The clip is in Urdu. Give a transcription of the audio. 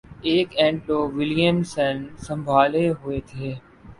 ایک اینڈ تو ولیمسن سنبھالے ہوئے تھے